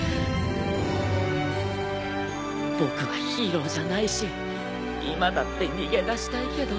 僕はヒーローじゃないし今だって逃げ出したいけど。